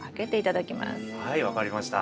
はい分かりました。